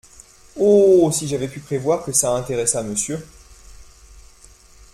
Oh ! si j’avais pu prévoir que ça intéressât Monsieur.